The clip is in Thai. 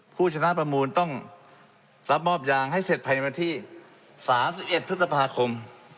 ผู้ชนะประมูลต้องรับมอบยางให้เสร็จภายในวันที่๓๑พฤษภาคม